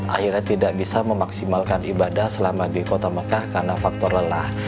akhirnya tidak bisa memaksimalkan ibadah selama di kota mekah karena faktor lelah